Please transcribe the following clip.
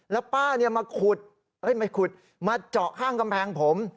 แล้วป้ามาขุดมาขุดมาเจาะข้างกำแพงผม